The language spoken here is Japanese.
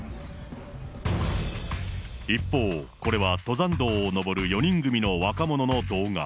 一方、これは登山道を登る４人組の若者の動画。